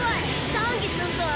談議すんぞ！